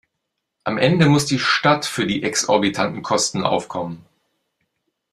Am Ende muss die Stadt für die exorbitanten Kosten aufkommen.